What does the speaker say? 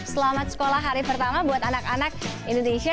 selamat sekolah hari pertama buat anak anak indonesia